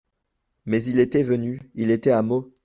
Mais il était venu, il était à Meaux.